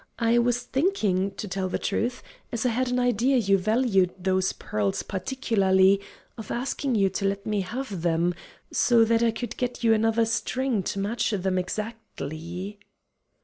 I was thinking, to tell the truth, as I had an idea you valued those pearls particularly, of asking you to let me have them, so that I could get you another string to match them exactly."